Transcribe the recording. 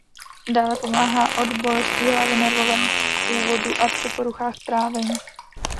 Dále pomáhá od bolestí hlavy nervového původu a při poruchách trávení.